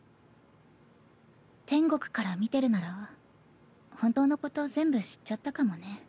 天国から見てるなら本当のこと全部知っちゃったかもね。